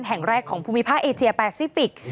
แห่งแรกของภูมิภาคเอเชียแปซิฟิกส